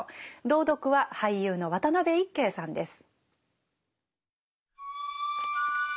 朗読は俳優の渡辺いっけいさんです。